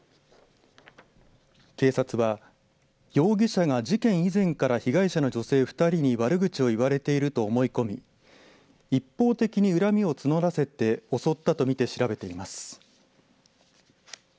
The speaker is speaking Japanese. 警察は容疑者が事件以前から被害者の女性２人に悪口を言われていると思い込み一方的に恨みを募らせて襲ったと見て調べています。